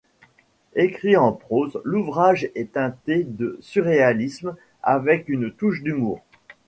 Écrit en prose, l'ouvrage est teinté de surréalisme avec une touche d'humour.